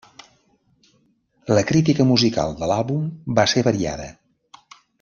La crítica musical de l'àlbum va ser variada.